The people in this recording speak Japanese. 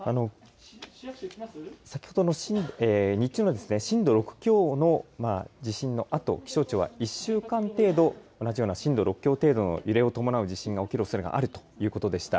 先ほどの日中のですね、震度６強の地震のあと、気象庁は１週間程度同じような震度６強程度の地震が伴うおそれがあるということでした。